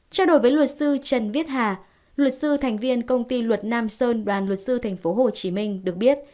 trao đổi với luật sư trần viết hà luật sư thành viên công ty luật nam sơn đoàn luật sư tp hcm được biết